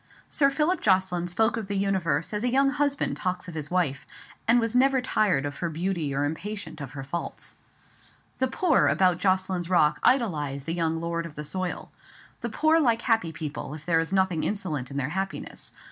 Sir Philip Jocelyn spoke of the universe as a young husband talks of his wife; and was never tired of her beauty or impatient of her faults. The poor about Jocelyn's Rock idolized the young lord of the soil. The poor like happy people, if there is nothing insolent in their happiness.